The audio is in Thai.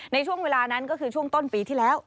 ในช่วงเวลานั้นก็คือช่วงต้นปีที่แล้ว